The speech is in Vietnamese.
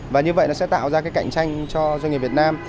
và như vậy nó sẽ tạo ra cái cạnh tranh cho doanh nghiệp việt nam